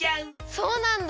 そうなんだ。